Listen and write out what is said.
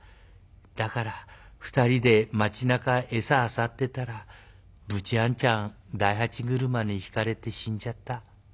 だから２人で町なか餌あさってたらブチあんちゃん大八車にひかれて死んじゃった。